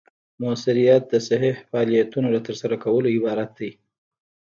مؤثریت د صحیح فعالیتونو له ترسره کولو عبارت دی.